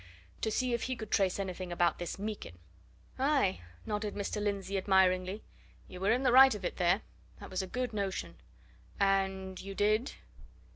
To see if he could trace anything about this Meekin." "Aye!" nodded Mr. Lindsey admiringly. "You were in the right of it, there that was a good notion. And you did?"